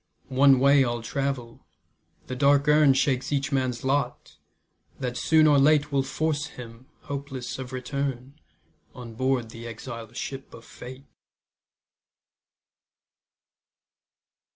One way all travel; the dark urn Shakes each man's lot, that soon or late Will force him, hopeless of return, On board the exile ship of Fate.